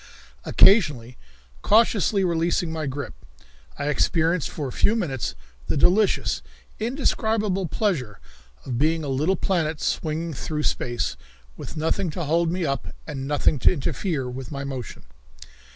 Occasionally cautiously releasing my grip, I experienced for a few minutes the delicious, indescribable pleasure of being a little planet swinging through space, with nothing to hold me up and nothing to interfere with my motion.